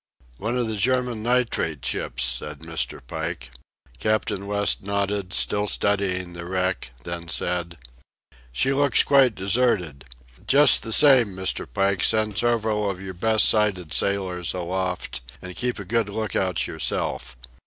"One of the German nitrate ships," said Mr. Pike. Captain West nodded, still studying the wreck, then said: "She looks quite deserted. Just the same, Mr. Pike, send several of your best sighted sailors aloft, and keep a good lookout yourself.